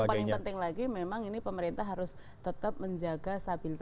yang paling penting lagi memang ini pemerintah harus tetap menjaga stabilitas